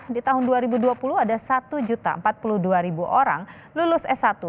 di tahun dua ribu dua puluh ada satu empat puluh dua orang lulus s satu